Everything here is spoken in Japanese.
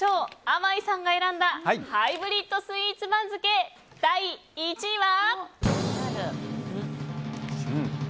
あまいさんが選んだハイブリッドスイーツ番付第１位は。